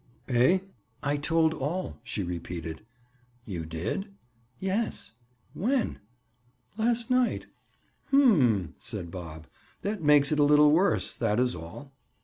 "Eh?" "I told all," she repeated. "You did?" "Yes." "When?" "Last night." "Hum!" said Bob. "That makes it a little worse, that is all."